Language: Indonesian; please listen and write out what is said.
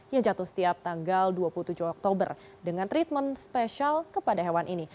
yang jatuh setiap tanggal dua puluh tujuh oktober dengan treatment spesial kepada hewan ini